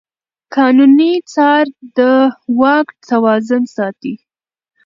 قانوني څار د واک توازن ساتي.